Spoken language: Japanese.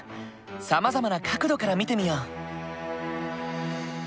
さまざまな角度から見てみよう。